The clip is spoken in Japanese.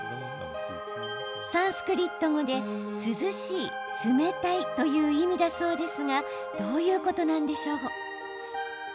サンスクリット語で涼しい、冷たいという意味だそうですがどういうことなんでしょう。